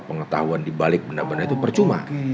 pengetahuan di balik benda benda itu percuma